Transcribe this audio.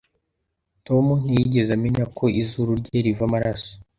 Tom ntiyigeze amenya ko izuru rye riva amaraso.